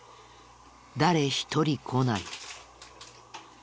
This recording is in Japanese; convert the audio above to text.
誰一人来ない。